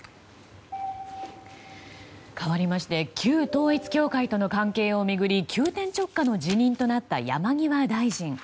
かわりまして旧統一教会の関係を巡り急転直下の辞任となった山際大臣。